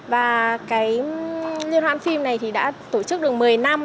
và cái liên hoan phim này thì đã tổ chức được một mươi năm